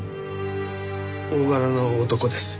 大柄な男です。